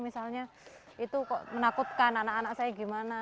misalnya itu kok menakutkan anak anak saya gimana